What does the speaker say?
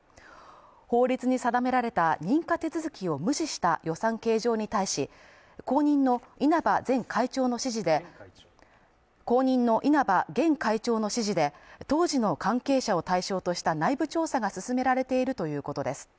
法律に定められた認可手続きを無視した予算計上に対し、後任の稲葉現会長の指示で当時の関係者を対象とした内部調査が進められているということです。